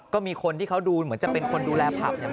ก็มีคนที่เขาดูเหมือนจะเป็นคนดูแลผับเนี่ย